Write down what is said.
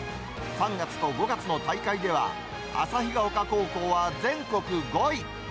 ３月と５月の大会では、旭丘高校は全国５位。